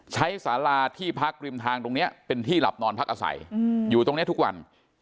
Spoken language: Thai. สาราที่พักริมทางตรงนี้เป็นที่หลับนอนพักอาศัยอยู่ตรงนี้ทุกวัน